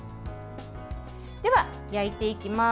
では、焼いていきます。